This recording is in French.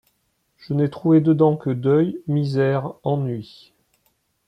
Je n’ai trouvé dedans que deuil, misère, ennui.